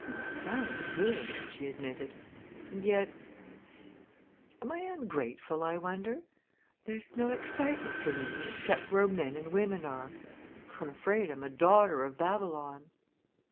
"It sounds good," she admitted, "and yet am I ungrateful, I wonder? there's no excitement for me except where men and women are. I'm afraid I'm a daughter of Babylon."